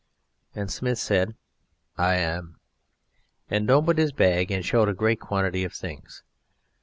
And Smith said: "I am," and opened his bag and showed a great quantity of things.